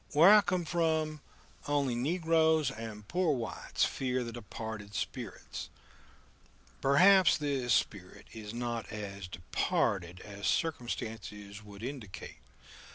Where I came from only negroes and poor whites fear the departed spirits. Perhaps this spirit is not as departed as circumstances would indicate.